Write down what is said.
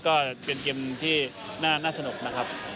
ก็เป็นเกมที่น่าสนุกนะครับ